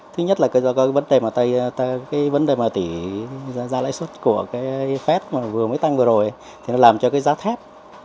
thứ nhất là vấn đề tỷ ra lãi suất của phép vừa mới tăng vừa rồi làm cho giá thép